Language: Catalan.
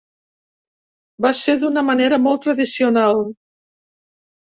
Va ser d’una manera molt tradicional.